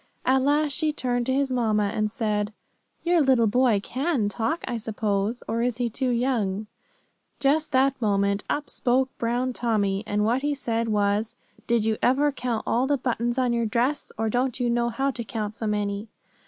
At last she turned to his mamma, and said: "Your little boy can talk, I suppose, or is he too young?" Just that moment, up spoke Brown Tommy, and what he said was: "Did you ever count all the buttons on your dress, or don't you know how to count so many?"